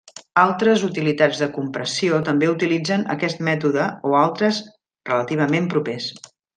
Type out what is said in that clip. Altres utilitats de compressió també utilitzen aquest mètode o altres relativament propers.